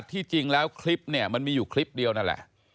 ที่จริงแล้วคลิปเนี่ยมันมีอยู่คลิปเดียวนั่นแหละ